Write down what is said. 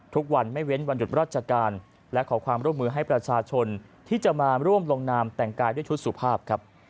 ทุกวันไม่เว้นวันหยุดราชการและขอความร่วมมือให้ประชาชนที่จะมาร่วมลงนามแต่งกายด้วยชุดสุภาพครับ